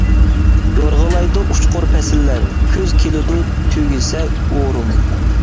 يورغىلايدۇ ئۇچقۇر پەسىللەر، كۈز كېلىدۇ تۈگىسە ئورۇم.